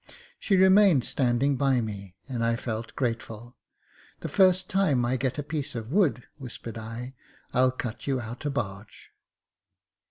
She remained standing by me, and I felt grateful. " The first time I get a piece of wood," whispered I, " I'll cut you out a barge."